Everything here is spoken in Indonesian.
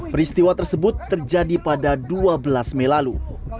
peristiwa tersebut terjadi pada dua belas mei lalu